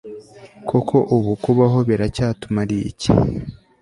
koko ubu kubaho biracyatumariye iki